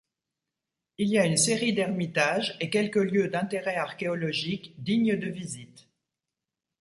Il y a une série d'ermitages et quelques lieux d'intérêt archéologique dignes de visite.